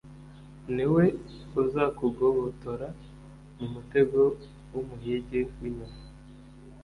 ni we uzakugobotora mu mutego w'umuhigi w'inyoni